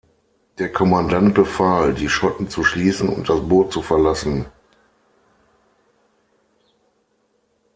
Der Kommandant befahl, die Schotten zu schließen und das Boot zu verlassen.